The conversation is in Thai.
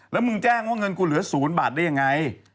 แล้วมึงแจ้งว่าเงินกูเหลือ๐บาทได้ยังไง